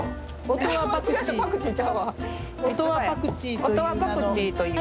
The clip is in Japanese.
音羽パクチーという。